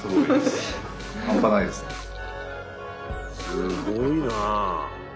すごいな。